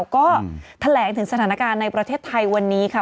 ก็แถลงถึงสถานการณ์ในประเทศไทยวันนี้ค่ะ